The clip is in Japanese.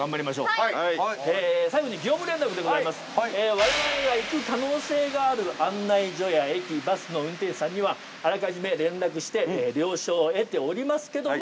我々が行く可能性がある案内所や駅バスの運転手さんにはあらかじめ連絡して了承を得ておりますけれども。